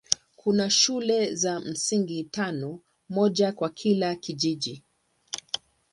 Kuna shule za msingi tano, moja kwa kila kijiji.